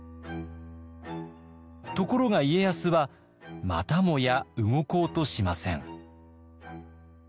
ところが家康はまたもや動こうとしません。